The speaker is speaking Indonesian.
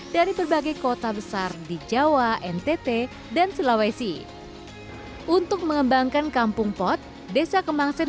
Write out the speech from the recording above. dari berbagai kota besar di jawa ntt dan sulawesi untuk mengembangkan kampung pot desa kemangseng